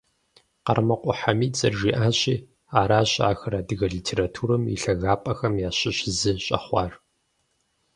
Къэрмокъуэ Хьэмид зэрыжиӀащи, аращ ахэр адыгэ литературэм и лъагапӀэхэм ящыщ зы щӀэхъуар.